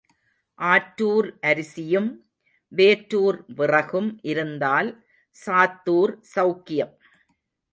ஆற்றுார் அரிசியும் வேற்றூர் விறகும் இருந்தால் சாத்தூர் செளக்கியம்.